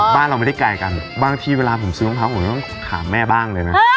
บ้านเราไม่ได้ไกลกันบางทีเวลาผมซื้อรองเท้าผมต้องถามแม่บ้างเลยนะ